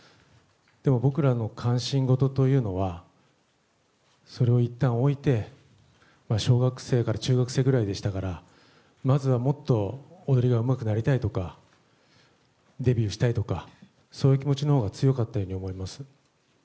でも僕らの関心事というのは、それをいったん置いて、小学生から中学生くらいでしたから、まずはもっと踊りがうまくなりたいとか、デビューしたいとか、そういう気持ちのほうが強かったように思います。